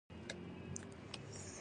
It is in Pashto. اوس ژوند بې معنا دی خو مور مې امید دی